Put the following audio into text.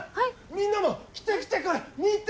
みんなも来て来て見て！